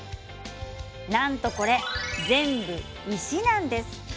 なんとこれ全部、石なんです。